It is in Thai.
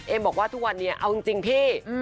บอกว่าทุกวันนี้เอาจริงพี่